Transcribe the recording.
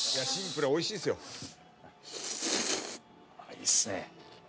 いいっすね。